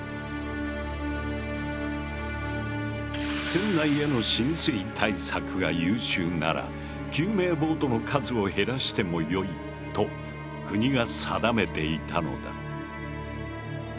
船内への浸水対策が優秀なら救命ボートの数を減らしてもよいと国が定めていたのだ。